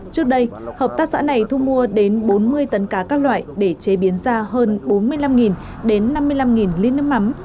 trước đây hợp tác xã này thu mua đến bốn mươi tấn cá các loại để chế biến ra hơn bốn mươi năm đến năm mươi năm lít nước mắm